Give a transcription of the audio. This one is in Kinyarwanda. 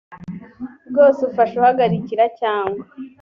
bwose ufasha uhagarikira cyangwa